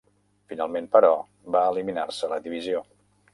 Finalment, però, va eliminar-se la divisió.